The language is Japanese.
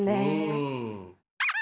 うん。